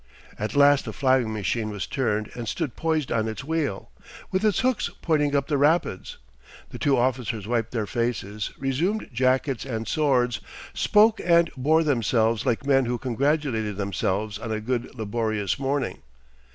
At last the flying machine was turned and stood poised on its wheel, with its hooks pointing up the Rapids. The two officers wiped their faces, resumed jackets and swords, spoke and bore themselves like men who congratulated themselves on a good laborious morning.